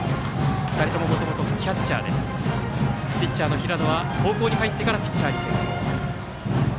２人とももともとキャッチャーでピッチャーの平野は高校に入ってからピッチャーに転向。